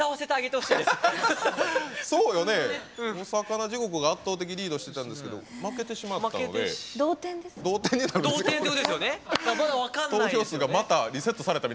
「おさかな地獄」が圧倒的リードしてたんですけど負けてしまったので同点になる。